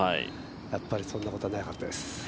やっぱりそんなことはなかったです。